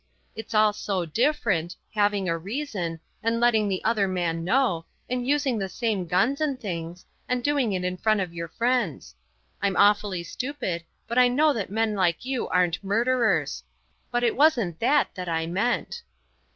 It's all so different having a reason and letting the other man know and using the same guns and things and doing it in front of your friends. I'm awfully stupid, but I know that men like you aren't murderers. But it wasn't that that I meant."